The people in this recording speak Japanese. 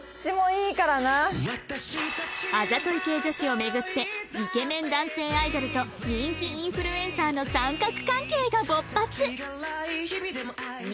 あざとい系女子を巡ってイケメン男性アイドルと人気インフルエンサーの三角関係が勃発